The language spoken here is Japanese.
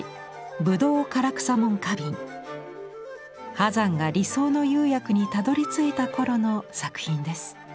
波山が理想の釉薬にたどりついた頃の作品です。